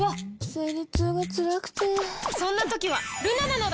生理痛がつらくてそんな時はルナなのだ！